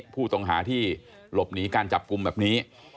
ผู้ต้องหาที่หลบหนีการจับกลุ่มแบบนี้